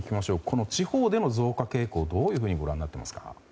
この地方での増加傾向をどうご覧になっていますか。